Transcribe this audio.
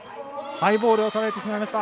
ハイボールをしてしまいました。